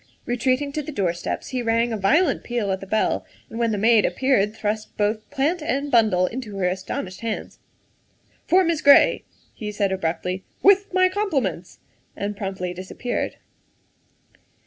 Retreating to the doorsteps, he rang a violent peal at the bell, and when the maid appeared thrust both plant and bundle into her astonished hands. " For Miss Gray," he said abruptly, " with my com pliments," and promptly disappeared.